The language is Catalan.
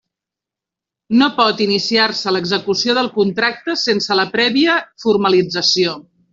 No pot iniciar-se l'execució del contracte sense la prèvia formalització.